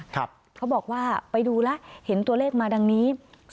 เขาบอกว่าไปดูแล้วเห็นตัวเลขมาดังนี้